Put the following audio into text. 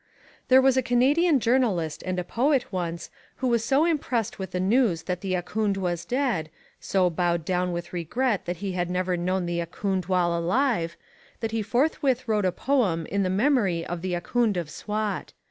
There was a Canadian journalist and poet once who was so impressed with the news that the Ahkoond was dead, so bowed down with regret that he had never known the Ahkoond while alive, that he forthwith wrote a poem in memory of The Ahkoond of Swat.